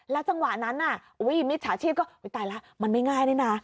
และจังหวะนั้นมิตรชาชีพก็ตายละมันไม่ง่ายนี่น่ะ